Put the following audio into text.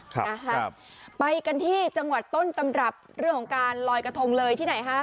ครับนะฮะไปกันที่จังหวัดต้นตำรับเรื่องของการลอยกระทงเลยที่ไหนฮะ